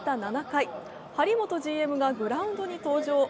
７回、張本ＧＭがグラウンドに登場。